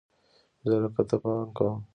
زه لیک ته پام کوم.